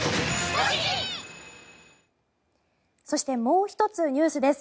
そして、もう１つニュースです。